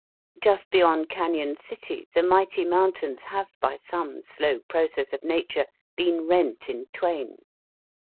Just beyond Cailon City the mighty mountains have by some slow process of nature been rent in twain.